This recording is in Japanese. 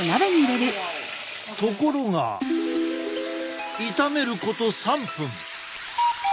ところが炒めること３分。